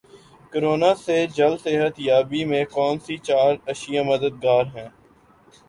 corona سے جلد صحت یابی میں کون سی چار اشیا مددگار ہیں